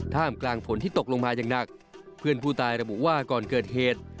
ท่ามกลางฝนที่ตกลงมาอย่างหนักเพื่อนผู้ตายระบุว่าก่อนเกิดเหตุ